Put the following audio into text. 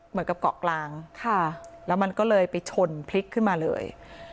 เกาะกลางค่ะแล้วมันก็เลยไปชนพลิกขึ้นมาเลย